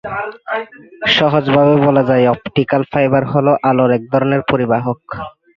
সহজভাবে বলা যায়, অপটিক্যাল ফাইবার হলো আলোর এক ধরনের পরিবাহক।